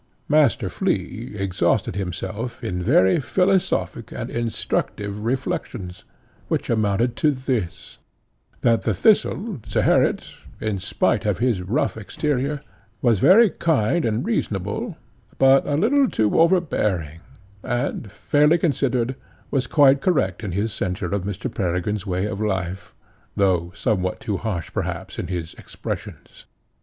Master Flea exhausted himself in very philosophic and instructive reflections, which amounted to this, that the Thistle, Zeherit, in spite of his rough exterior, was very kind and reasonable, but a little too overbearing, and, fairly considered, was quite correct in his censure of Mr. Peregrine's way of life, though somewhat too harsh perhaps in his expressions.